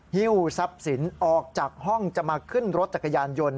หิ้วทรัพย์สินออกจากห้องจะมาขึ้นรถจักรยานยนต์